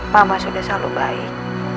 mama sudah selalu baik